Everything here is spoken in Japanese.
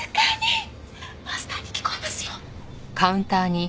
マスターに聞こえますよ。